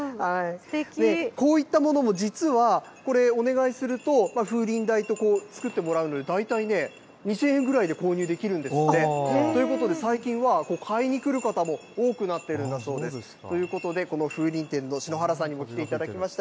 こういったものも、実はこれ、お願いすると、風鈴代と作ってもらうので、大体ね、２０００円ぐらいで購入できるんですって。ということで、最近は買いに来る方も多くなっているんだそうです。ということで、この風鈴店のしのはらさんにも来ていただきました。